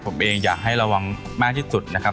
ผมเองอยากให้ระวังมากที่สุดนะครับ